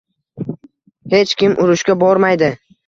Hech kim urushga bormaydi.